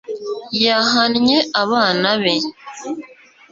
yahannye abana be